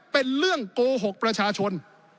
เป็นเรื่องโกหกประชาชน